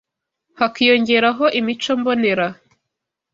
hakiyongeraho imico mbonera